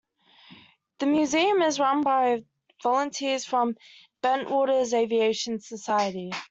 The museum is run by volunteers from Bentwaters Aviation Society.